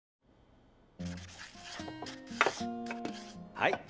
はい。